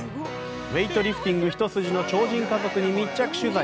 ウエイトリフティングひと筋の超人家族に密着取材！